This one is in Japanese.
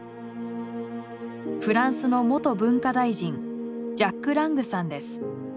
フランスの元文化大臣ジャック・ラングさんです。